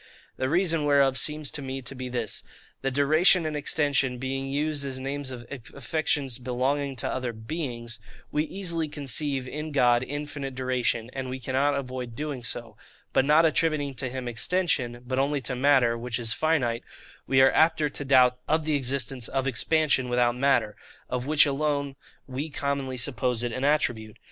The reason whereof seems to me to be this,—That duration and extension being used as names of affections belonging to other beings, we easily conceive in God infinite duration, and we cannot avoid doing so: but, not attributing to him extension, but only to matter, which is finite, we are apter to doubt of the existence of expansion without matter; of which alone we commonly suppose it an attribute.